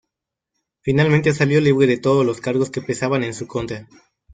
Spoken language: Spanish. Finalmente salió libre de todos los cargos que pesaban en su contra.